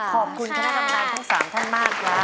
ขอบคุณท่านทำได้ทั้งสามท่านมากครับ